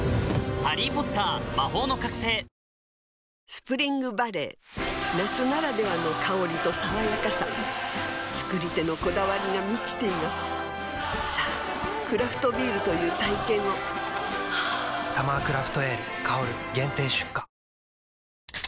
スプリングバレー夏ならではの香りと爽やかさ造り手のこだわりが満ちていますさぁクラフトビールという体験を「サマークラフトエール香」限定出荷